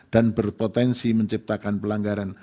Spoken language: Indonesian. dan berpotensi menciptakan pelanggaran